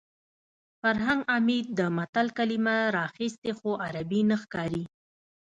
فرهنګ عمید د متل کلمه راخیستې خو عربي نه ښکاري